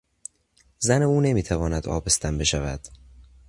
زن او نمیتواند آبستن بشود.